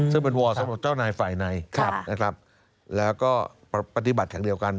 ซึ่งเป็นวอร์สำหรับเจ้านายฝ่ายในนะครับแล้วก็ปฏิบัติแห่งเดียวกัน